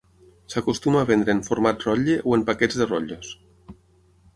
S'acostuma a vendre en format rotlle o en paquets de rotllos.